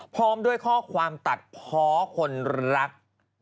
พร้อมด้วยข้อความตัดเพาะคนรัก